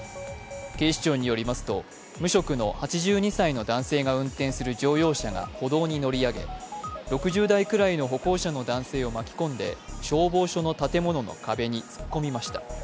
警視庁によりますと無職の８２歳の男性が運転する乗用車が歩道に乗り上げ６０代くらいの男性を巻き込んで消防署の建物の壁に突っ込みました。